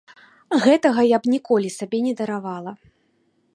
Гэтага я б ніколі сабе не даравала.